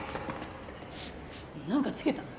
何かつけた？